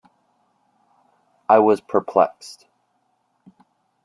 I was perplexed.